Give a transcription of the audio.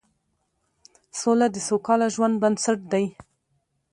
سوله د سوکاله ژوند بنسټ دی